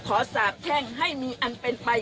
สาบแช่งให้มีอันเป็นไป